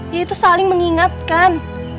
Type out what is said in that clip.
yaitu saling mengingatkan